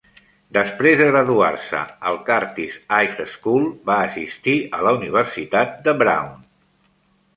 Després de graduar-se al Curtis High School, va assistir a la Universitat de Brown.